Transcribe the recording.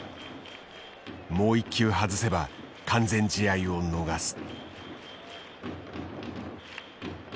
もう一球外せば完全試合を逃す。